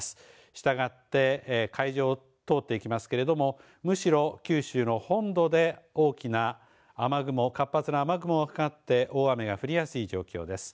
したがって海上を通っていきますけれどもむしろ九州の本土で大きな雨雲活発な雨雲がかかって大雨が降りやすい状況です。